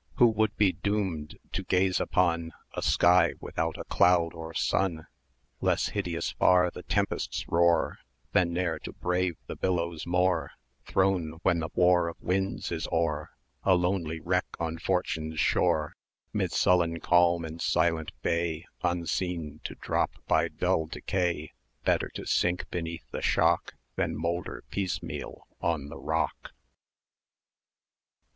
960 Who would be doomed to gaze upon A sky without a cloud or sun? Less hideous far the tempest's roar, Than ne'er to brave the billows more [ea] Thrown, when the war of winds is o'er, A lonely wreck on Fortune's shore, 'Mid sullen calm, and silent bay, Unseen to drop by dull decay; Better to sink beneath the shock Than moulder piecemeal on the rock!